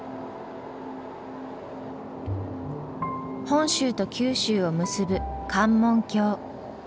本州と九州を結ぶ関門橋。